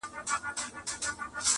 چي به مو ژغوري له بلاګانو؛